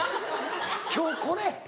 今日これ？